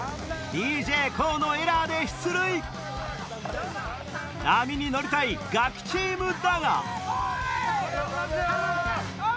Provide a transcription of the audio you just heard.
ＤＪＫＯＯのエラーで出塁波に乗りたいガキチームだがこい！